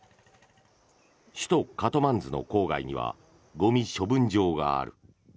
首都カトマンズの郊外にはゴミ処分場がある。